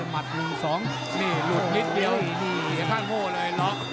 นี่หลุดนิดเดียวเหลี่ยวข้างหัวเลยล็อค